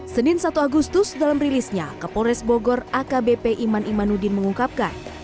senin satu agustus dalam rilisnya kapolres bogor akbp iman imanuddin mengungkapkan